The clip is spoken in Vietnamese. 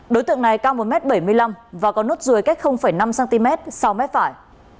đối tượng này cao một m bảy mươi năm và có nốt ruồi cách năm cm sáu m phải